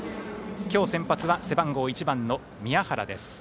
今日、先発は背番号１番の宮原です。